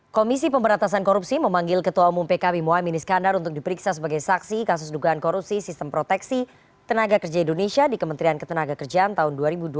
komisi pemberantasan korupsi memanggil ketua umum pkb mohaimin iskandar untuk diperiksa sebagai saksi kasus dugaan korupsi sistem proteksi tenaga kerja indonesia di kementerian ketenaga kerjaan tahun dua ribu dua puluh